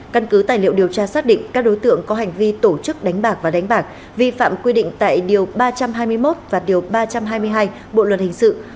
căn cứ tài liệu điều tra xác định các đối tượng có hành vi tổ chức đánh bạc và đánh bạc vi phạm quy định tại điều ba trăm hai mươi một và điều ba trăm hai mươi hai bộ luật hình sự